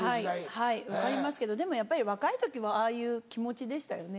はい分かりますけどでもやっぱり若い時はああいう気持ちでしたよね。